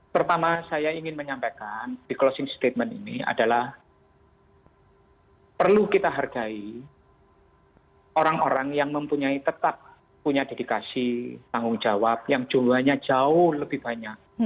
pertama saya ingin menyampaikan di closing statement ini adalah perlu kita hargai orang orang yang mempunyai tetap punya dedikasi tanggung jawab yang jumlahnya jauh lebih banyak